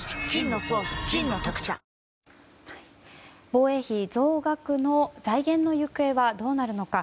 防衛費増額の財源の行方はどうなるのか。